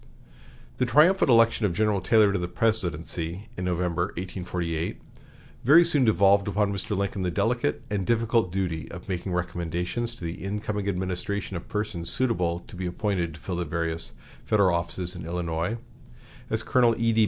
The triumphant election of General Taylor to the presidency in November, 1848, very soon devolved upon Mr. Lincoln the delicate and difficult duty of making recommendations to the incoming administration of persons suitable to be appointed to fill the various Federal offices in Illinois, as Colonel E.D.